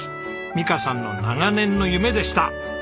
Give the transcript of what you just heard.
美香さんの長年の夢でした。